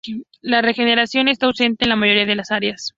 La regeneración está ausente en la mayoría de las áreas.